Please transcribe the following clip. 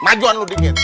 majuan lu dingin